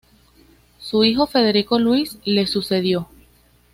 Su hijo Federico Luis le sucedió.